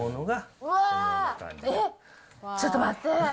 うわー、ちょっと待って。